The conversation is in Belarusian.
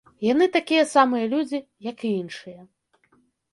Яны такія самыя людзі, як і іншыя.